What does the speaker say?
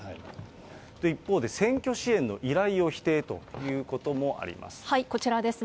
一方で、選挙支援の依頼を否定ということもあります。